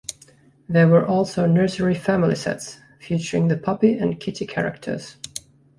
There were also Nursery Family sets, featuring the puppy and kitty characters.